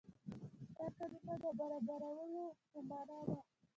دا کلمه د برابرولو په معنا ده.